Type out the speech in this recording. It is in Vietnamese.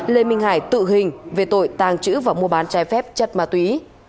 lê minh hải tự hình về tội tàng trữ và mua bán trái phép chất ma túy